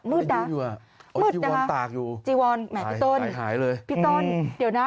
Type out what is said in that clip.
มืดนะมืดนะคะจีวอนแหม่พี่ต้นพี่ต้นเดี๋ยวนะ